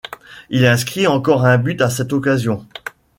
Il inscrit encore un but à cette occasion.